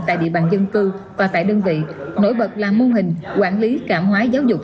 tại địa bàn dân cư và tại đơn vị nổi bật là mô hình quản lý cảm hóa giáo dục